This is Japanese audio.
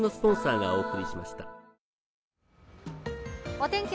お天気